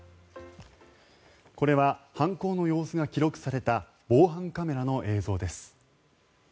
これは犯行の様子が記録された防犯カメラの映像です。